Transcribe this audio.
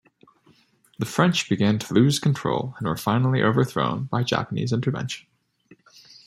The French began to lose control and were finally overthrown by Japanese intervention.